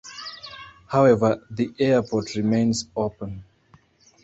However, the airport remains open.